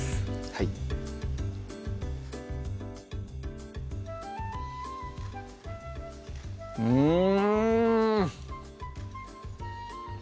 はいうん！